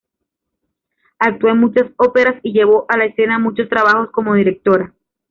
Actuó en muchas óperas y llevó a la escena muchos trabajos como directora.